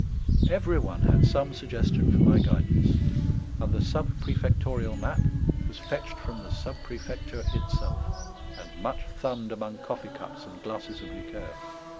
Every one had some suggestion for my guidance; and the sub prefectorial map was fetched from the sub prefecture itself, and much thumbed among coffee cups and glasses of liqueur.